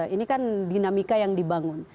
ini kan dinamika yang dibangun